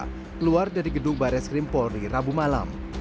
keluar dari gedung barreskrim polri rabu malam